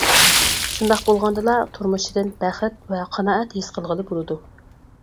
شۇنداق بولغاندىلا، تۇرمۇشىدىن بەخت ۋە قانائەت ھېس قىلغىلى بولىدۇ.